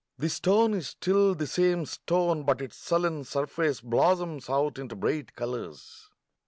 The stone is still the same stone ; but its sullen surface blossoms out into bright colours.